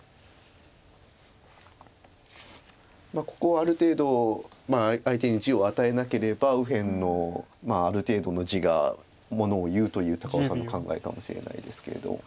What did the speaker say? ここをある程度相手に地を与えなければ右辺のある程度の地が物を言うという高尾さんの考えかもしれないですけれど。